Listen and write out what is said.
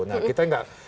nah kita enggak